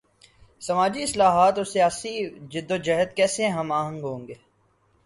سماجی اصلاحات اور سیاسی جد و جہد کیسے ہم آہنگ ہوںگے؟